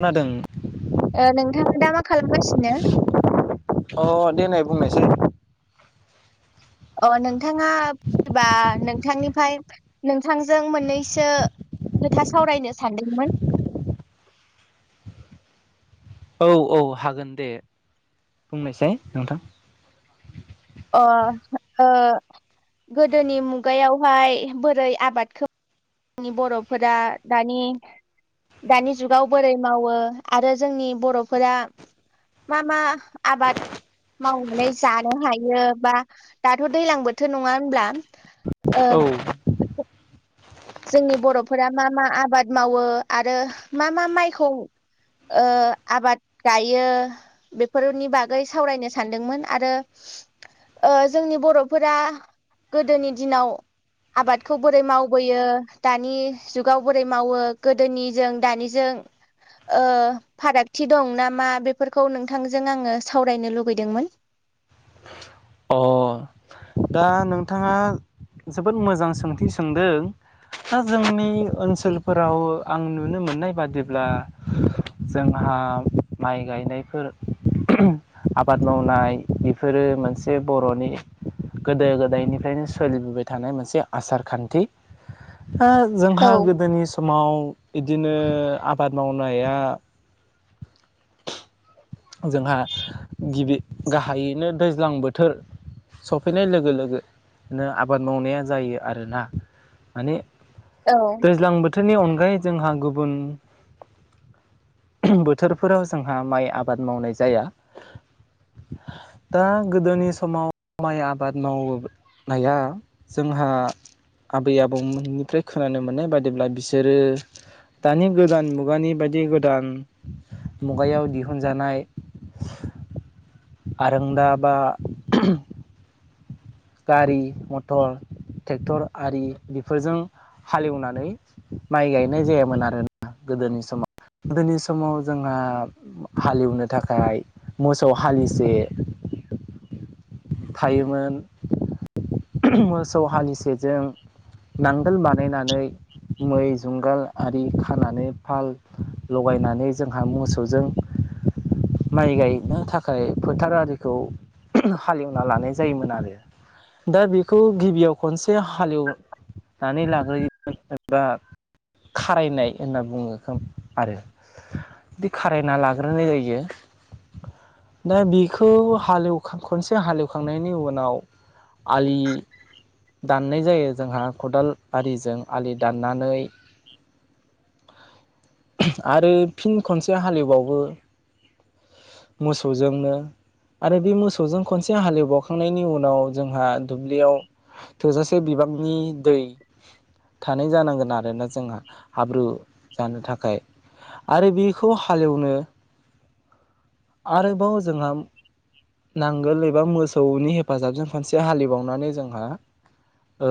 खोनादों। ओ नोंथाङा दा मा खालामगासिनो। बुंनोसै अ नोंथाङा सोरबा नोंथांनिफ्राय नोंथांजों मोननैसो खोथा सावरायनो सानदोंमोन। औ औ हागोन दे बुंनायसाय नोंथां। अ ओ गोदोनि मुगायावहाय बोरै आबादखौ नि बर'फोरा दानि दानि जुगाव बोरै मावो आरो जोंनि बर'फोरा मा मा आबाद मावनानै जानो हायो बा दाथ दैलां बोथोर नङा होनब्ला? ओ औ जोंनि बर'फोरा मा मा आबाद मावो आरो मा मा माइखौ ओ आबाद गायो बेफोरनि बागै सावरायनो सानदोंमोन आरो ओ जोंनि बर'फोरा गोदोनि दिनाव आबादखौ बोरै मावबोयो यो दानि जुगाव बोरै मावो गोदोनिजों दानिजों ओ फारागथि दं ना मा बेफोरखौ नोंथांजों आङो सावरायनो लुुबैदोंमोन। अ दा नोंथाङा जोबोद मोजां सोंथि सोंदों दा जोंनि ओनसोलफोराव आं नुनो मोननाय बादिब्ला जोंहा माइ गायनायफोर आबाद मावनाय बेफोरो मोनसे बर'नि गोदो गोदायनिफ्रायनो सोलिबोबाय थानाय मोनसे आसार खान्थि। ओ औ जोंहा गोदोनि समाव बिदिनो आबाद मावनाया जोंहा गिबि गाहायैनो दैज्लां बोथोर सफैनाय लोगो लोगोनोनो आबाद मावनाया जायो आरोना माने औ दैज्लां बोथोरनि अनगायै जोंहा गुबुन बोथोरफोराव जोंहा माइ आबाद बाद मावनाय जाया दा गोदोनि समाव माइ आबाद मावनाया जोंहा आबै आबौमोननिफ्राय खोनानो मोननाय बादिब्ला बिसोरो दानि गोदान मुगानि बायदि गोदान मुगायाव दि जानाय। आरोंदा बा गारि मटर ट्रेक्टर आरि बेफोरजों हालेवनानै माइ गायनाय जायामोन आरोना गोदोनि समाव गोदोनि समाव जोंहा हालेवनो थाखाय मोसौ हालिसे थायोमोन। [unintelligible] सौ हालिसेजों नांगोल बानायनानै मै जुंगाल आरि खानानै फाल लगायनानै जोंहा मोसौजों माइ गायनो थाखाय फोथार आरिखौ हालेवना लानाय जायोमोन आरो। दा बेखौ गिबियाव खनसे हालेवनानै लाग्रोयोमोन बा खारायनाय होनना बुङो खोमा आरो बि खारायना लाग्रोनाय जायो दा बेखौ हालेवखां खनसे हालेवखांनायनि उनाव आलि दाननाय जायो जोंहा खदाल आरिजों आलि दाननानै आरो फिन खनसे हालेवबावो मोसौजोंनो आरो बे मोसौजों खनसे हालेवबावखांनायनि उनाव जोंहा दुब्लियाव थोजासे बिबांनि दै थानाय जानांगोन आरोना जोंहा हाब्रु जानो थाखाय आरो बेखौ हालेवनो आरोबाव जोंहा नांगोल एबा मोसौनि हेफाजाबजों खनसे हालेबावनानै जोंहा ओ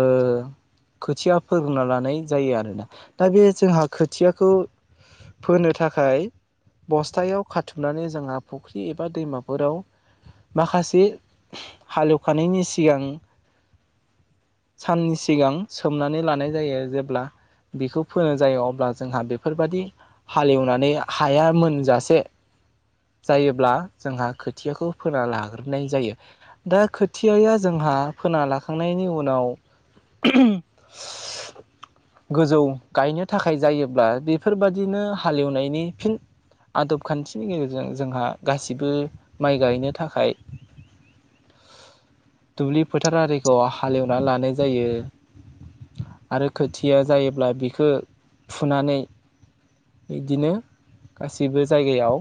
खोथिया फोग्रोना लानाय जायो आरोना दा बे जोंहा खोथियाखौ फोनो थाखाय बस्थायाव खाथुमनानै जोंहा फुख्रि एबा दैमाफोराव माखासे हालेवखानायनि सिगां साननि सिगां सोमनानै लानाय जायो जेब्ला बिखौ फोनो जायो अब्ला जोंहा बेफोरबादि हालेवनानै हाया मोनजासे जायोब्ला जोंहा खोथियाखौ फोना लाग्रोनाय जायो दा खोथियाया जोंहा फोना लाखांनायनि उनाव गोजौ गायनो थाखाय जायोब्ला बेफोरबादिनो हालेवनायनि फिन आदब खान्थिनि गेजेरजों जोंहा गासिबो माइ गायनो थाखाय दुब्लि फोथार आरिखौ हालेवनानै लानाय जायो आरो खोथिया जायोब्ला बिखौ फुनानै बिदिनो गासिबो जायगायाव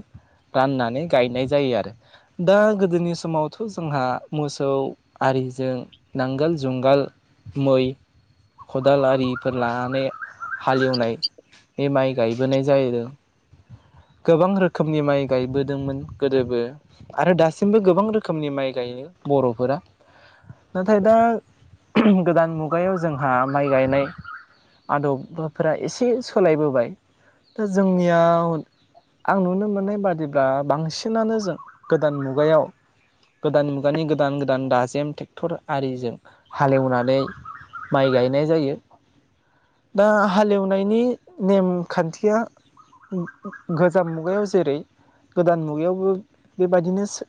दाननानै गायनाय जायो आरो। दा गोदोनि समावथ जोंहा मोसौ आरिजों नांगोल, जुंगाल, मै, खदाल आरिफोर लानानै हालेवनाय बे माइ गायबोनाय जाहैदों गोबां रोखोमनि माइ गायबोदोंमोन गोदोबो। आरो दासिमबो गोबां रोखोमनि माइ गायो बरफोरा नाथाय दा उगहुम गोदान मुगायाव जोंहा माइ गायनाय आदबफोरा एसे सोलायबोबाय दा जोंनियाव आं नुनो मोननाय बादिब्ला बांसिनानो जों गोदान मुगायाव गोदान मुगानि गोदान गोदान दाजेम ट्रेक्टर आरिजों हालेवनानै माइ गायनाय जायो दा हालेवनायनि नेमखान्थिया गोजाम मुगायाव जेरै गोदान मुगायावबो बेबायदिनो सो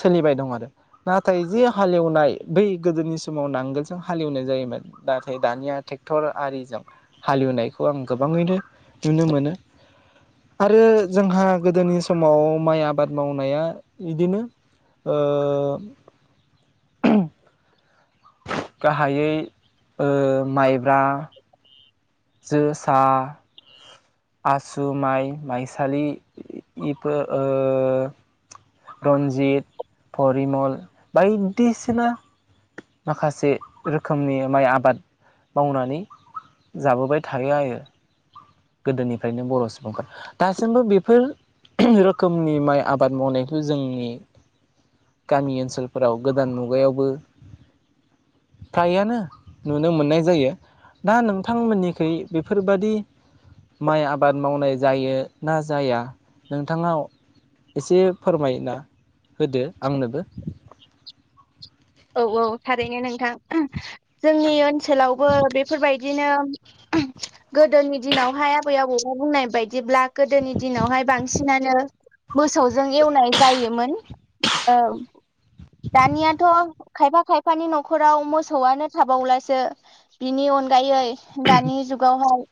सोलिबाय दं आरो नाथाय जे हालेवनाय बै गोदोनि समाव नांगोलजों हालेवनाय जायोमोन नाथाय दानिया ट्रेक्टर आरिजों हालेवनायखौ आं गोबाङैनो नुनो मोनो आरो जोंहा गोदोनि समाव माइ आबाद मावनाया इदिनो ओ ओहुम गाहा हायै ओ माइब्रा जोसा आसु माइ-माइसालि इ-इफोर ओ रन्जित, परिमल बायदिसिना माखासे रोखोमनि माइ आबाद मावनानै जाबोबाय थायो आरो गोदोनिफ्रायनो बर सुबुंफोर दासिमबो बेफोर ओहुम रोखोमनि माइ आबाद मावनायखौ जोंनि गामि ओनसोलफोराव गोदान मुगायावबो फ्रायानो नुनो मोननाय जायो दा नोंथांमोननिखै बेफोरबादि माइ आबाद मावनाय जायो ना जाया नोंथाङा एसे फोरमाय ना होदो आंनोबो औऔ थारैनो नोंथां जोंनि ओनसोलावबो बेफोरबायदिनो उम गोदोनि दिनावहाय आबै आबौआ बुंनाय बायदिब्ला गोदोनि दिनावहाय बांसिनानो मोसौजों एवनाय जायोमोन औ दानियाथ खायफा-खायफानि नखराव मोसौआनो थाबावलासो बिनि अनगायै दानि जुगाव हाइ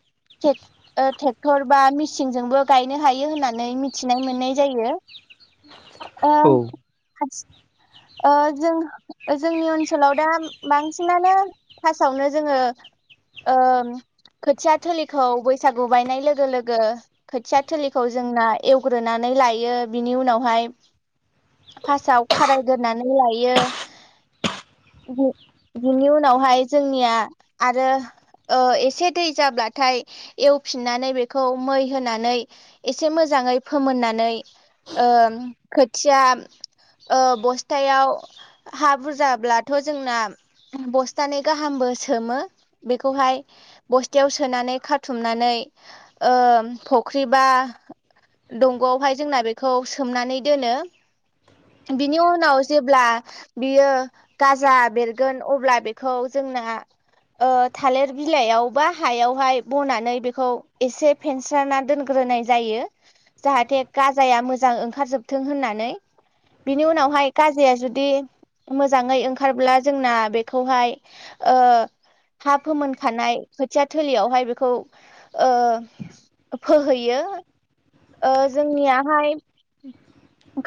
टेक ओ ट्रेक्टर बा मिसिनजोंबो गायनो हायो होननानै मिथिनाय मोननाय जायो ओ ओ जों ओ जोंनि ओनसोलाव दा बांसिनानो फासावनो जोङो ओ खोथिया थोलिखौ बैसागु बायनाय लोगो लोगो खोथिया थोलिखौ जोंना एवग्रोनानै लायो बिनि उनावहाय फासाव खारायग्रोनानै लायो बि बिनि उनावहाय जोंनिया आरो ओ एसे दै जाब्लाथाय एवफिननानै बेखौ मै होनानै एसे मोजाङै फोमोननानै ओ खोथिया ओ बस्थायाव हा बुरजाब्लाथ जोंना बस्थानै गाहामबो सोमो बेखौहाय बस्थायाव सोनानै खाथुमनानै ओ फख्रि बा दंगआवहाय जोंना बेखौ सोमनानै दोनो बिनि उनाव जेब्ला बियो गाजा बेरगोन अब्ला बेखौ जोंना ओ थालिर बिलाइयाव बा हायावहाय बनानै बेखौ एसे फेनस्रा दोनग्रोनाय जायो जाहाथे गाजाया मोजां ओंखारजोबथों होननानै बिनि उनावहाय गाजाया जुदि मोजाङै ओंखारब्ला जोंना बेखौहाय ओ हा फोमोनखानाय खोथिया थोलियावहाय बेखौ ओ फोहैयो ओ जोंनियाहाय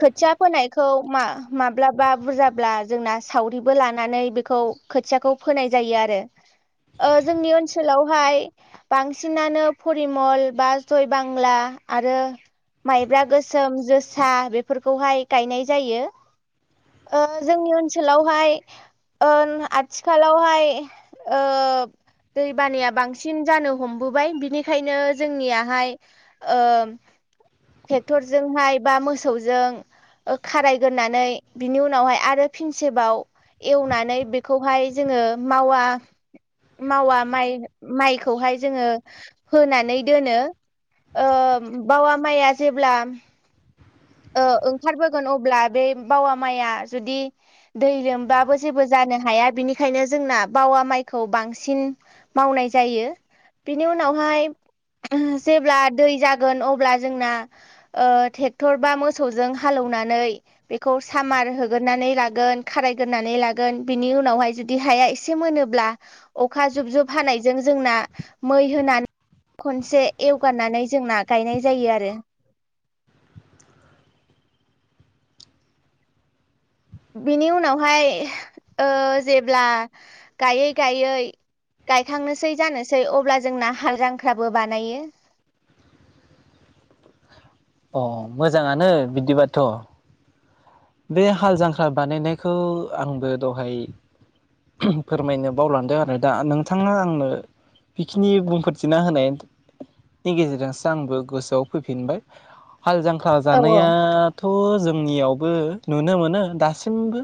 खोथिया फोनायखौ मा माब्लाबा बुरजाब्ला जोंना सावरिबो लानानै बेखौ खोथियाखौ फोनाय जायो आरो ओ जोंनि ओनसोलावहाय बांसिनानो परिमल बा जय बांला आरो माइब्रा गोसोम जोसा बेफोरखौहाय गायनाय जायो ओ जोंनि ओनसोलावहाय ओ आथिखालावहाय ओ दैबानाया बांसिन जानो हमबोबाय बिनिखायनो जोंनियाहाय ओ ट्रेक्टरजोंहाय बा मोसौजों खारायगोरनानै बिनि उनावहाय आरो फिनसेबाव एवनानै बेखौहाय जोङो मावा मावा माइ माइखौहाय जोङो होनानै दोनो ओ बावा माइआ जेब्ला ओ ओंखारबोगोन अब्ला बे बावा माइया जुदि दै लोमबाबो जेबो जानो हाया बिनिखायनो जोंना बावा माइखौ बांसिन मावनाय जायो बेनि उनावहाय ओहुम जेब्ला दै जागोन अब्ला जोंनाे ओ टेक ट्रैक्टरबा मोसौजों हालेवनानै बेखौ सामार होगोरानै लागोन खारायगोरानै लागोन बिनि उनावहाय जुदि हाया एसे मोनोब्ला अखा जुब जुब हानायजों जोंना मै होनानै खनसे एवगारनानै जोंना गायनाय जायो आरो बिनि उनावहाय ओ जेब्ला गायै गायै गायखांनोसै जानोसै अब्ला जोंना हाल जांफ्राबो बानायो अ मोजाङानो बिदिबाथ बे हाल जांख्रा बानायनायखौ आंबो दहाय फोरमायनो बावलांदों आरो दा नोंथाङा आंनो बिखिनि बुंफोरथिना होनायनि गेजेरजोंसो आंबो गोसोआव फैफिनबाय हाल जांख्रा औ जानाया थ थ जोंनियाव बो नुनो मोनो दासिमबो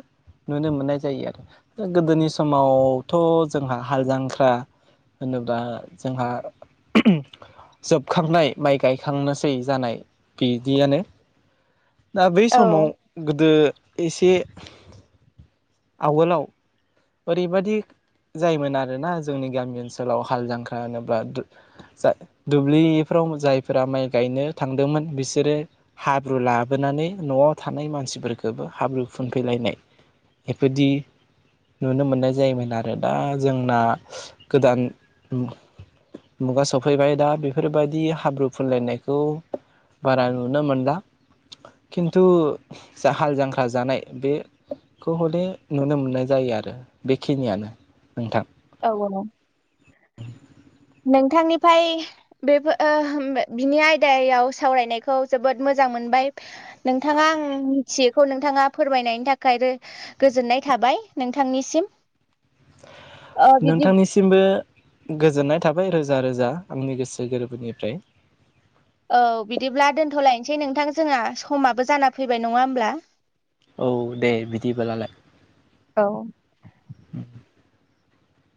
नुनो मोननाय जायो आरो गोदोनि समावथ जोंहा हाल जांख्रा होनोबा जोंहा जोबखांनाय माइ गायखांनोसै जानाय बिदियानो दा बै औ समाव गोदो एसे आगोलाव ओरैबादि जायोमोन आरोना जोंनि गामि ओनसोलाव हाल जांख्रा होनोब्ला दु जाय दुब्लिफ्राव जायफोरा माइ गायनो थांदोंमोन बिसोरो हाब्रु लाबोनानै नआव थानाय मानसि मानसिफोरफोरखौबो हाब्रु फुनफैलायनाय बेफोरदि नुनो मोननाय जायोमोन आरो दा जोंना गोदान मुगा सफैबाय दा बेफोरबायदि हाब्रु फुनलायनायखौ बारा नुनो मोनला खिन्थु जा हाल जांख्रा जानाय बेखौ हले नुनो मोननाय जायो आरो बेखिनियानो नोंथां औ जागोन नोंथांनिफाय बेफो ओह बिनि आयदायाव सावरायनायखौ जोबोद मोजां मोनबाय नोंथाङा आं मिथियैखौ नोंथाङा फोरमायनायनि थाखाय गोजोननाय थाबाय नोंथांनिसिम ओ बिदि नोंथांनिसिमबो गोजोननाय थाबा बाय रोजा रोजा आंनि गोसो गोरबोनिफ्राय। औ बिदिब्ला दोनथ'लायनोसै नोंथां जोंहा समाबो जाना फैबाय नङा होमब्ला? औ दे बिदिबोलालाय औ उम।